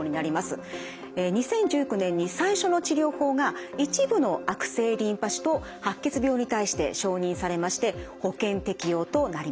２０１９年に最初の治療法が一部の悪性リンパ腫と白血病に対して承認されまして保険適用となりました。